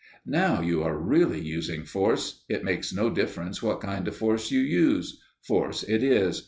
Now you are really using force. It makes no difference what kind of force you use: force it is.